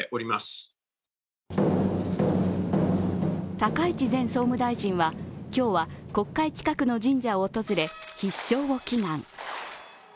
高市前総務大臣は今日は国会近くの神社を訪れ、必勝を祈願。